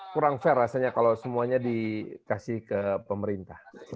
kurang fair rasanya kalau semuanya dikasih ke pemerintah